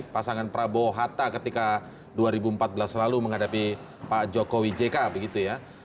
pasangan prabowo hatta ketika dua ribu empat belas lalu menghadapi pak jokowi jk begitu ya